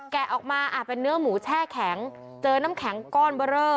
แกะออกมาเป็นเนื้อหมูแช่แข็งเจอน้ำแข็งก้อนเบอร์เรอ